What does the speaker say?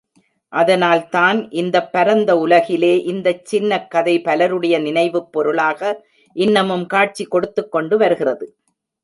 அதனால்தான் இந்தப் பரந்த உலகிலே இந்தச் சின்னக் கதை பலருடைய நினைவுப் பொருளாக இன்னமும் காட்சி கொடுத்துக்கொண்டு வருகிறது.